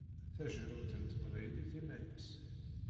Tajeṛṛumt n teqbaylit iman-is!